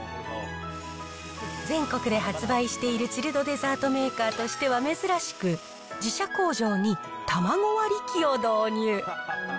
全国で発売しているチルドデザートメーカーとしては珍しく、自社工場に卵割り機を導入。